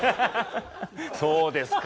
そうですか。